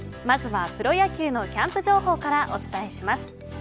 まずはプロ野球のキャンプ情報からお伝えします。